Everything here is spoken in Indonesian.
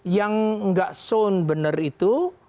yang tidak zone benar itu